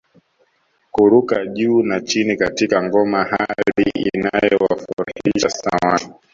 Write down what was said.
Kuruka juu na chini katika ngoma hali ianoyowafurahisha sana watu